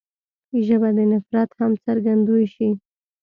ژبه د نفرت هم څرګندوی شي